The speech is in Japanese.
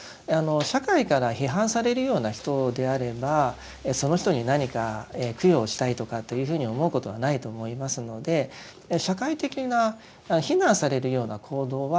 社会から批判されるような人であればその人に何か供養をしたいとかというふうに思うことはないと思いますのでと考えてよいと思います。